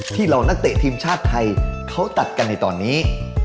เหล่านักเตะทีมชาติไทยเขาตัดกันในตอนนี้